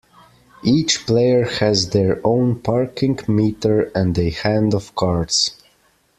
Each player has their own parking meter and a hand of cards.